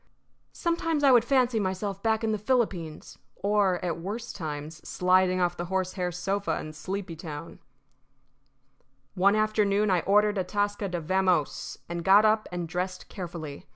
Sometimes I would fancy myself back in the Philippines, or, at worse times, sliding off the horsehair sofa in Sleepytown. One afternoon I ordered Atasca to vamose, and got up and dressed carefully.